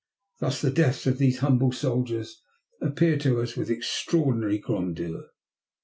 Thus the deaths of these humble soldiers appear to us with extraordinary grandeur.